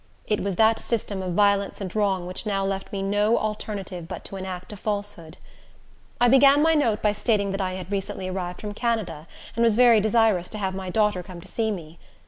It was that system of violence and wrong which now left me no alternative but to enact a falsehood. I began my note by stating that I had recently arrived from Canada, and was very desirous to have my daughter come to see me.